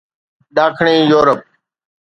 ڏاکڻي يورپ